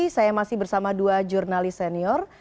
saya masih bersama dua jurnalis senior